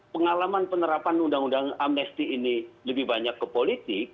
pengalaman penerapan undang undang amnesti ini lebih banyak ke politik